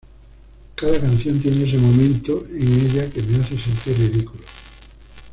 Cada canción tiene ese momento en ella que me hace sentir ridículo.